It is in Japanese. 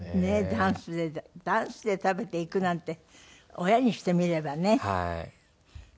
ダンスでダンスで食べていくなんて親にしてみればねちょっと。